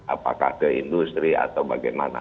apakah ke industri atau bagaimana